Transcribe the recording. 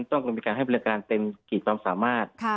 ต้องมีการให้บริการเต็มขีดความสามารถ